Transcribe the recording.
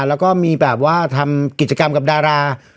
แล้วก็มีแบบว่าทำกิจกรรมกับดารา